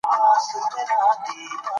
د ژبې ساتنه زموږ ملي وجیبه ده.